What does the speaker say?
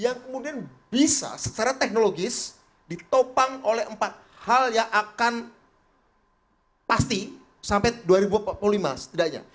yang kemudian bisa secara teknologis ditopang oleh empat hal yang akan pasti sampai dua ribu dua puluh lima setidaknya